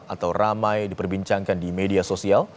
atau ramai diperbincangkan di media sosial